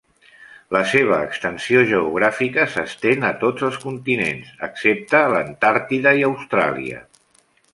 La seva extensió geogràfica s'estén a tots els continents excepte l'Antàrtida i Austràlia.